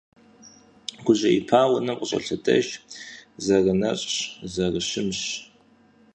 Гужьеипауэ, унэм къыщӀолъэдэж, зэрынэщӀщ, зэрыщымщ…